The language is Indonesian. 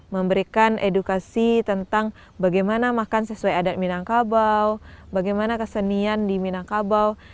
memberikan edukasi tentang bagaimana makan sesuai adat minangkabau bagaimana kesenian di minangkabau